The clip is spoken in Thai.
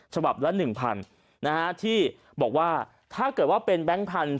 ฉบับละ๑๐๐นะฮะที่บอกว่าถ้าเกิดว่าเป็นแบงค์พันธุ